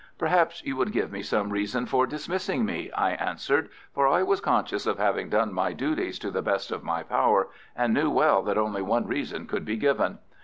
"Perhaps you would give me some reason for dismissing me," I answered, for I was conscious of having done my duties to the best of my power, and knew well that only one reason could be given.